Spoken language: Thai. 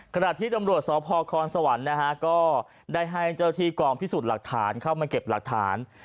ขณะที่ตำรวจสพคสวรรค์นะฮะก็ได้ให้เจ้าที่กองพิสูจน์หลักฐานเข้ามาเก็บหลักฐาน